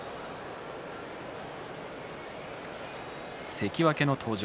関脇登場。